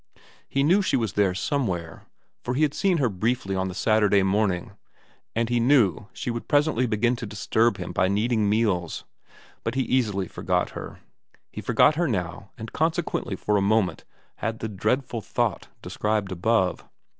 He knew she was there somewhere, for he had seen her briefly on the Saturday morning, and he knew she would presently begin to disturb him by needing meals, but he easily forgot her. He forgot her now, and consequently for a moment had the dreadful thought described above.